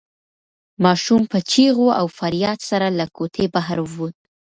ماشوم په چیغو او فریاد سره له کوټې بهر ووت.